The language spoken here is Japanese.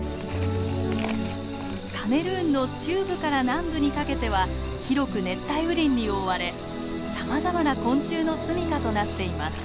カメルーンの中部から南部にかけては広く熱帯雨林に覆われさまざまな昆虫のすみかとなっています。